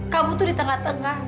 kamu tuh di tengah tengah